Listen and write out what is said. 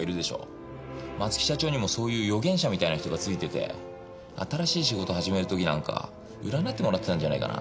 松木社長にもそういう予言者みたいな人がついてて新しい仕事を始める時なんか占ってもらってたんじゃないかな。